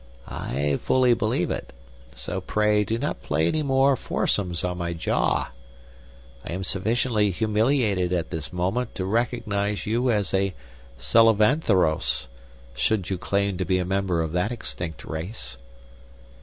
"I fully believe it, so pray do not play any more foursomes on my jaw. I am sufficiently humiliated at this moment to recognize you as a Sullivanthauros, should you claim to be a member of that extinct race."